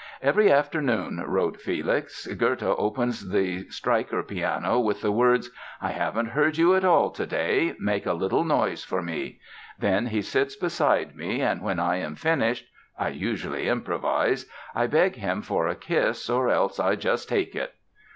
"Every afternoon", wrote Felix, "Goethe opens the Streicher piano with the words: 'I haven't heard you at all today; make a little noise for me'; then he sits beside me and when I am finished (I usually improvise), I beg him for a kiss or else I just take it!"